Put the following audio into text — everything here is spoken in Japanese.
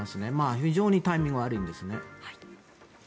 非常にタイミングが悪いですね。